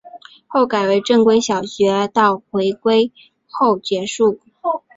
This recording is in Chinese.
后改为正规小学到回归后结束。